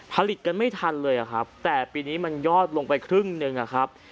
ผลิตกันไม่ทันเลยอะครับแต่ปีนี้มันยอดลงไปครึ่งหนึ่งอะครับ